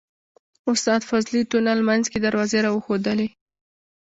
استاد فضلي تونل منځ کې دروازې راوښودلې.